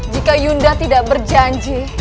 jika yunda tidak berjanji